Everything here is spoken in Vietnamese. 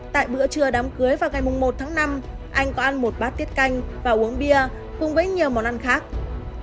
tại bữa trưa đám cưới vào ngày một tháng năm anh có ăn một bát tiết canh và uống bia cùng với nhiều món ăn khác